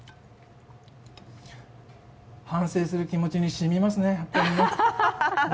反省する気持ちに染みますね、やっぱり。